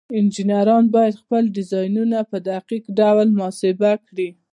انجینران باید خپل ډیزاینونه په دقیق ډول محاسبه کړي.